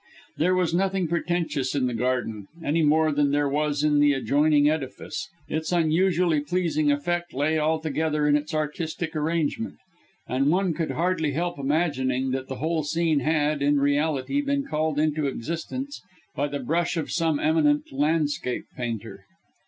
There was nothing pretentious in the garden, any more than there was in the adjoining edifice. Its unusually pleasing effect lay altogether in its artistic arrangement; and one could hardly help imagining that the whole scene had, in reality, been called into existence by the brush of some eminent landscape painter.